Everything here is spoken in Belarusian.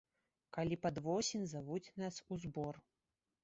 Калі пад восень завуць нас у збор.